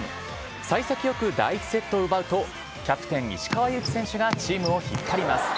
幸先よく第１セットを奪うと、キャプテン、石川祐希選手がチームを引っ張ります。